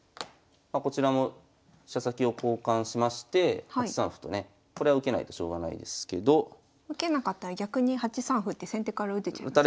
こちらも飛車先を交換しまして８三歩とねこれは受けないとしょうがないですけど。受けなかったら逆に８三歩って先手から打てちゃいますもんね。